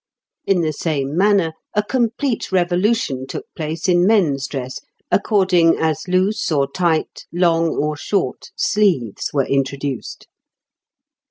In the same manner, a complete revolution took place in men's dress according as loose or tight, long or short sleeves were introduced.